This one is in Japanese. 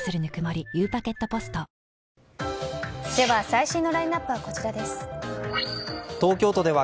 最新のラインアップはこちらです。